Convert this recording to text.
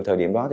thời điểm đó thì